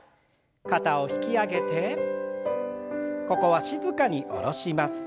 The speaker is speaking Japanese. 肩を引き上げてここは静かに下ろします。